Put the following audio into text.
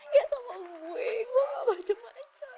ya sama gue gua gak macam macam